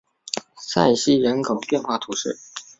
塞西人口变化图示